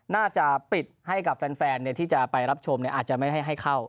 น่าจะปิดให้กับแฟนที่จะไปรับชมอาจจะไม่ให้เข้า